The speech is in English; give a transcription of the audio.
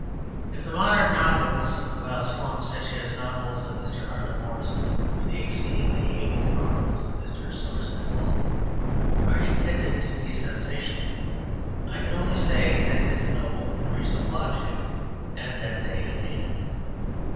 If the modern novels about the slums, such as novels of Mr. Arthur Morrison, or the exceedingly able novels of Mr. Somerset Maugham, are intended to be sensational, I can only say that that is a noble and reasonable object, and that they attain it.